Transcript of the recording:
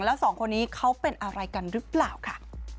แล้วสองคนนี้เขาเป็นอะไรกันหรือเปล่าค่ะ